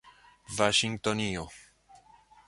vaŝingtonio